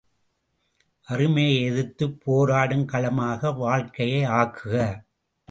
வறுமையை எதிர்த்துப் போராடும் களமாக வாழ்க்கையை ஆக்குக!